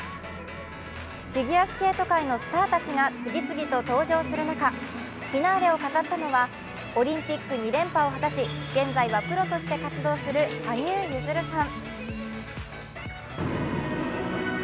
フィギュアスケート界のスターたちが次々と登場する中、フィナーレを飾ったのはオリンピック２連覇を果たし現在はプロとして活動する羽生結弦さん。